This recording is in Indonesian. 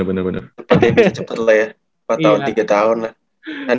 cepet ya bisa cepet lah ya empat tahun tiga tahun lah